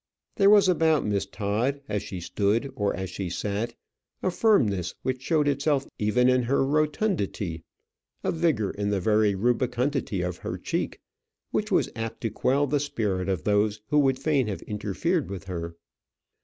There was about Miss Todd as she stood, or as she sat, a firmness which showed itself even in her rotundity, a vigour in the very rubicundity of her cheek which was apt to quell the spirit of those who would fain have interfered with her.